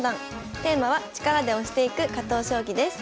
テーマは「力で押していく加藤将棋」です。